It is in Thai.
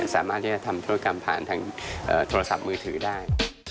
สามารถที่จะทำธุรกรรมผ่านทางโทรศัพท์มือถือได้